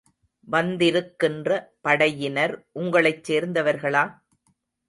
வந்திருக்கின்ற படையினர் உங்களைச் சேர்ந்தவர்களா?